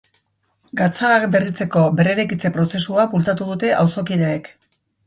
Gatzagak berritzeko berreraikitze prozesua bultzatu dute auzokideek.